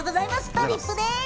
とりっぷです。